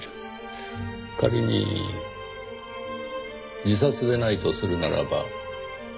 仮に自殺でないとするならば。